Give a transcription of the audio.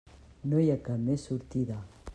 No hi ha cap més sortida.